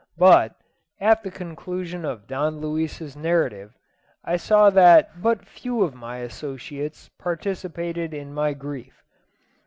But, at the conclusion of Don Luis's narrative, I saw that but few of my associates participated in my grief.